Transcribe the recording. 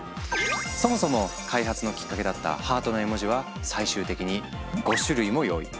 そもそも開発のきっかけだったハートの絵文字は最終的に５種類も用意。